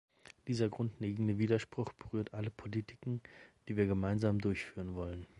Dieser grundlegende Widerspruch berührt alle Politiken, die wir gemeinsam durchführen wollen.